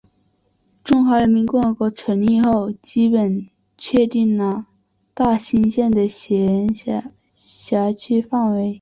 中华人民共和国成立后基本确定了大兴县的辖区范围。